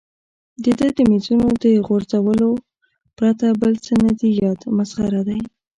د ده د مېزونو د غورځولو پرته بل څه نه دي یاد، مسخره دی.